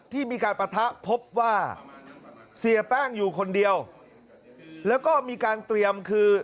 หาวหาวหาวหาวหาวหาวหาวหาวหาวหาว